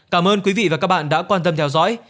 cảm ơn quý vị và các bạn đã quan tâm theo dõi